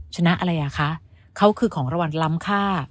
ชนะอะไรอ่ะคะเขาคือของรางวัลล้ำค่า